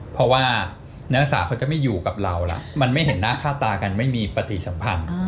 เพราะว่านักศึกษาเขาจะไม่อยู่กับเราล่ะมันไม่เห็นหน้าค่าตากันไม่มีปฏิสัมพันธ์